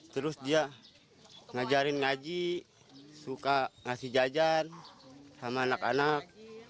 terus dia ngajarin ngaji suka ngasih jajan sama anak anak